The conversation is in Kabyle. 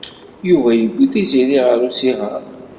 Yuba yewwi Tiziri ɣer usihar.